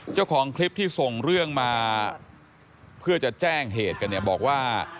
เจ้าของคลิปที่ส่งเรื่องมาเพื่อจะแจ้งเหตุกันเนี่ยบอกว่า